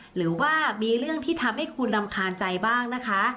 หรือว่ามีเรื่องที่ทำให้คุณรำคาญใจบ้างนะคะ